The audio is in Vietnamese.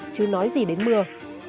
chứ nói gì đến mưa